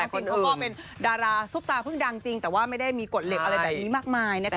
กูบอกว่าเป็นดาราซุปตาพึ่งดังแต่ว่ามีแต่ทีมีกฎเหล็กอะไรแบบนี้มากมาย